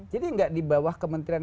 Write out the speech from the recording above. jadi gak di bawah kementrian